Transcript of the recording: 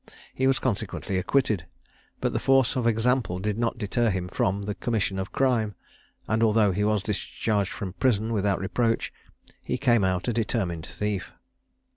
He was consequently acquitted; but the force of example did not deter him from the commission of crime, and although he was discharged from prison without reproach, he came out a determined thief.